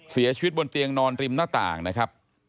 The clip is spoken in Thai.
เสียชีวิตบนเตียงนอนริมหน้าต่างนะครับ